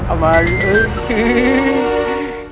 jadi indah terasa